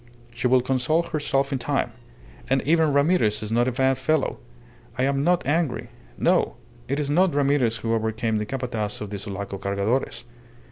She will console herself in time. And even Ramirez is not a bad fellow. I am not angry. No! It is not Ramirez who overcame the Capataz of the Sulaco Cargadores."